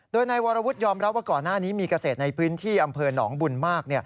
โดยนายวรวุฒิยอมรับว่าก่อนหน้านี้มีเกษตรในพื้นที่อำเภอหนองบุญมาก